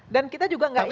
dan kita juga gak ingin